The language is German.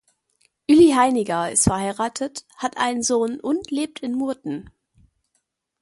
Ueli Heiniger ist verheiratet, hat einen Sohn und lebt in Murten.